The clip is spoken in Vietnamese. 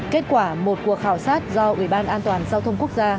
kết quả một cuộc khảo sát do ủy ban an toàn giao thông quốc gia